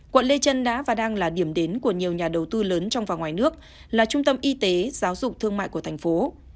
quận lê trân đã và đang là điểm đến của nhiều nhà đầu tư lớn trong và ngoài nước là trung tâm y tế giáo dục thương mại của thành phố